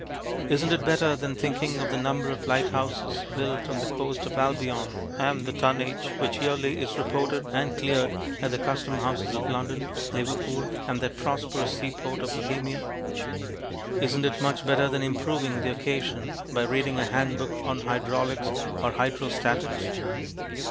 IsnŌĆÖt it better than thinking of the number of lighthouses built on the coast of Albion, and the tonnage which yearly is reported and cleared at the custom houses of London, Liverpool, and that prosperous seaport of Bohemia! IsnŌĆÖt it much better than improving the occasion by reading a hand book on hydraulics or hydrostatics?